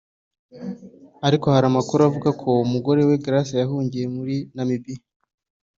ariko hari amakuru avuga ko umugore we Grace yahungiye muri Namibia